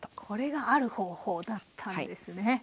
これが「ある方法」だったんですね。